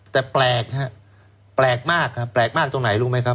แต่แปลกฮะแปลกมากครับแปลกมากตรงไหนรู้ไหมครับ